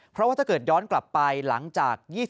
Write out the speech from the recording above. เพราะว่าถ้าเกิดย้อนกลับไปหลังจาก